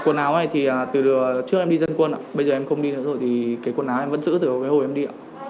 quần áo này thì từ trước em đi dân quân bây giờ em không đi nữa rồi thì quần áo em vẫn giữ từ hồi em đi